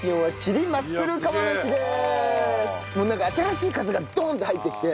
もうなんか新しい風がドーンって入ってきて。